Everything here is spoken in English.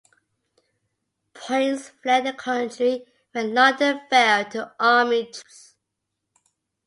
Poyntz fled the country when London fell to Army troops.